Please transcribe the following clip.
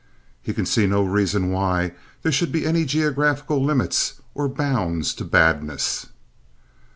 He can see no reason why there should be any geographical limits or bounds to badness.